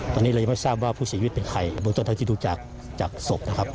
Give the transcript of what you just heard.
ตอนนี้เรายังไม่รู้สามารถว่าผู้เสียชีวิตเป็นใครวางจนทางที่ถูกจากสกนะครับ